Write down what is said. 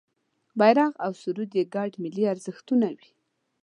بېرغ او سرود یې ګډ ملي ارزښتونه وي.